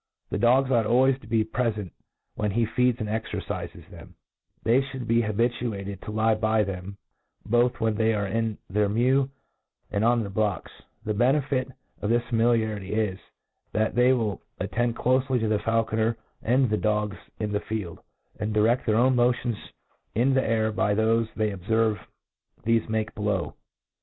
The dogs ought always to be prefent when he feeds and exercifes themj nay, thejr Ihould be habituated to lie by them, both when they are in their mew, and on their blocks* The benefit of this familiarity is^ that they will at tend clofely on the fetilcdner and the dogs in the field, and dired their own motions in the air by thofe they obfetve thefe make below.